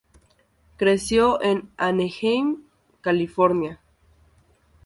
Creció en Anaheim, California.